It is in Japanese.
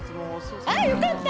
ああ、よかった。